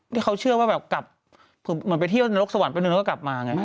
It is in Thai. ที่เขาเชื่อว่าเหมือนไปที่โดรกสวรรค์เป็นเดือนก็กลับมา